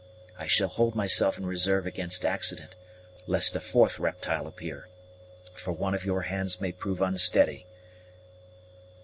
I shall hold myself in resarve against accident, lest a fourth reptile appear, for one of your hands may prove unsteady.